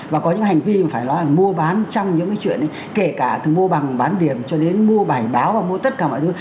và có những hành vi mà phải nói là mua bán trong những cái chuyện ấy kể cả từ mua bằng bán điểm cho đến mua bài báo và mua tất cả mọi thứ